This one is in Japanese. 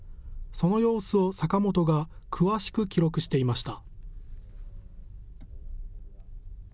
その様子を坂本が詳しく記録していました。